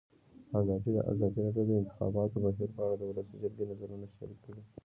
ازادي راډیو د د انتخاباتو بهیر په اړه د ولسي جرګې نظرونه شریک کړي.